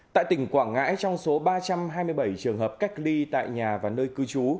tại tỉnh quảng ngãi trong số ba trăm hai mươi bảy trường hợp cách ly tại nhà và nơi cư trú